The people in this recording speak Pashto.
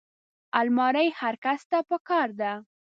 الماري هر کس ته پکار ده